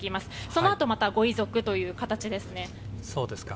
そのあとにまたご遺族という形ですね。